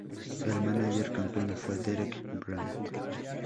El mánager campeón fue Derek Bryant.